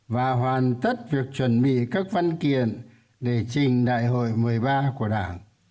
và hoàn tất việc chuẩn bị các văn kiện để trình đại hội một mươi ba của đảng